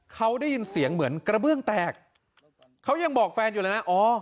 เขาได้ยินเสียงเหมือนกระเบื้องแตกเขายังบอกแฟนอยู่เลยนะอ๋อ